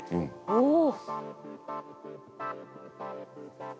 おお！